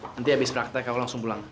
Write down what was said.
nanti abis praktek aku langsung pulang